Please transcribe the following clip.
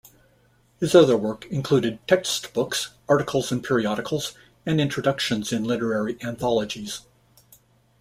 His other work included textbooks, articles in periodicals and introductions in literary anthologies.